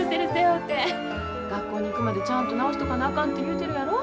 学校に行くまでちゃんとなおしとかなあかんて言うてるやろ。